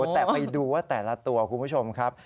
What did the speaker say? แต่ไปดูว่าแต่ละตัวคุณผู้ชมครับ